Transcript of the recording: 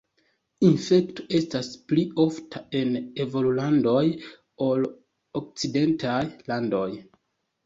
Infekto estas pli ofta en evolulandoj ol en okcidentaj landoj.